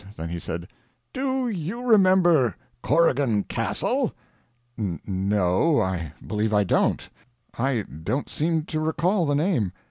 Then he said: "Do you remember Corrigan Castle?" "N no, I believe I don't. I don't seem to recall the name."